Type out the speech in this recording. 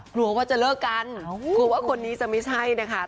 กลัวว่าจะเลิกกันกลัวว่าคนนี้จะไม่ใช่นะคะ